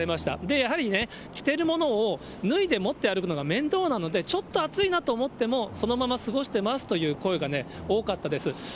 やはりね、着ているものを脱いで持って歩くのが面倒なので、ちょっと暑いなと思っても、そのまま過ごしてますという声がね、多かったです。